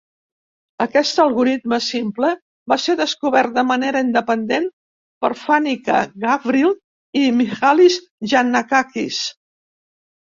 Aquest algoritme simple va ser descobert de manera independent per Fanica Gavril i Mihalis Yannakakis.